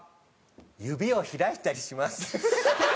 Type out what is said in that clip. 指を開いたりします。